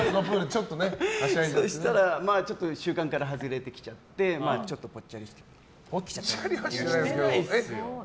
そしたら習慣から外れてきちゃってちょっとぽっちゃりしてきたかなと。